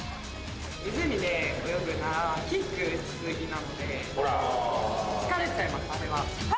湖で泳ぐなら、キック打ち過ぎなので、疲れちゃいます、あれは。